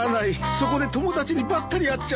そこで友達にばったり会っちゃって。